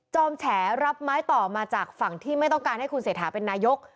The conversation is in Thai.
แฉรับไม้ต่อมาจากฝั่งที่ไม่ต้องการให้คุณเศรษฐาเป็นนายก